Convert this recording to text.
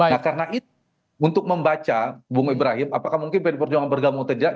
nah karena itu untuk membaca bung ibrahim apakah mungkin pd perjuangan bergabung teja